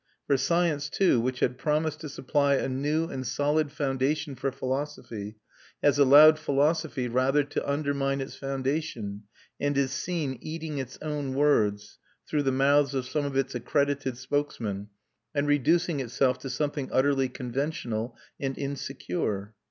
For science, too, which had promised to supply a new and solid foundation for philosophy, has allowed philosophy rather to undermine its foundation, and is seen eating its own words, through the mouths of some of its accredited spokesmen, and reducing itself to something utterly conventional and insecure.